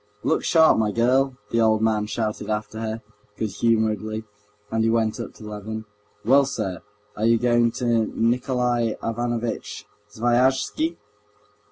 "Look sharp, my girl!" the old man shouted after her, good humoredly, and he went up to Levin. "Well, sir, are you going to Nikolay Ivanovitch Sviazhsky?